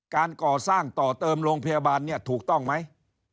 การก่อสร้างต่อเติมโรงพยาบาลเนี่ยถูกต้องไหม